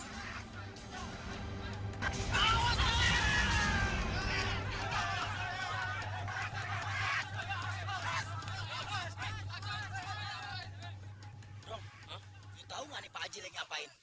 bro kamu tahu tidak pak aji yang melakukan apa